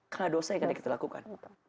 karena dosa yang kita lakukan